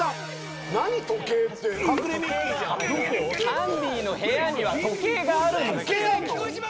アンディの部屋には時計があるんです。